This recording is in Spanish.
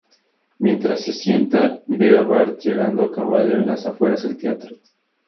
Mientras se sienta, ve a Bart llegando a caballo en las afueras del teatro.